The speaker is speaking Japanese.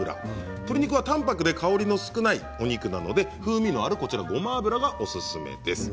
鶏肉は淡泊で香りが少ないお肉なので風味があるごま油がおすすめです。